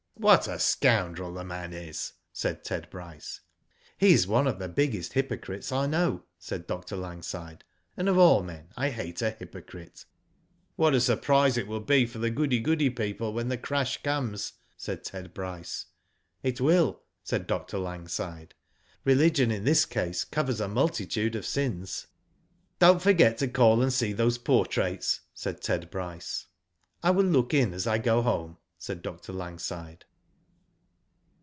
What a scoundrel the man is," said Ted Bryce. *' He is one of the biggest hypocrites I know," said Dr. Langside ;*' and of all men I hate a hypocrite." '* What a surprise it will be for the goody goody people when the crash comes," said Ted Bryce. Q 2 Digitized byGoogk 228 lVJ/0 DID ITt "It will," said Dr. Langside. "Religion in lliis case covers a multitude of sins." *' Don't forget to call and see those portraits," said Ted Bryce. I will look in as I go home," said Dr. Lang side.